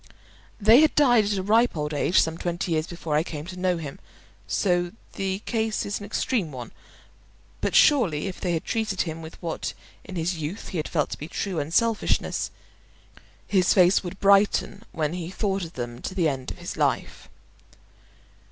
They had died at a ripe old age some twenty years before I came to know him, so the case is an extreme one; but surely if they had treated him with what in his youth he had felt to be true unselfishness, his face would brighten when he thought of them to the end of his life.